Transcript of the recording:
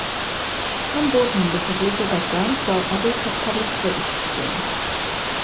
Some board members have legal backgrounds while others have public service experience.